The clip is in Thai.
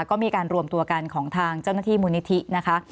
ก็มีการรวมตัวกันของทางเจ้าหน้าที่มูลนิธินะคะ